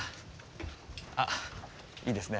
あっいいですね。